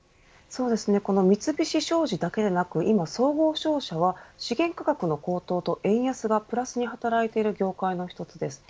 この三菱商事だけでなく今、総合商社は資源価格の高騰と円安がプラスに働いている業界の一つです。